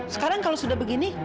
sekarang kalau sudah begini